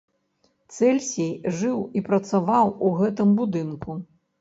Цэльсій жыў і працаваў у гэтым будынку.